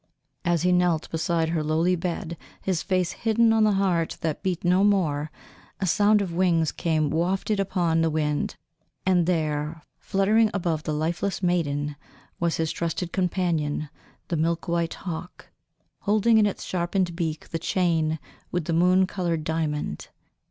As he knelt beside her lowly bed, his face hidden on the heart that beat no more, a sound of wings came wafted upon the wind, and there, fluttering above the lifeless maiden, was his trusted companion the milk white hawk, holding in its sharpened beak the chain with the moon coloured diamond.